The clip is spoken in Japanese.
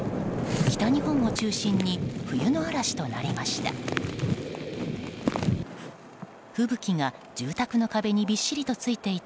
北日本を中心に冬の嵐となりました。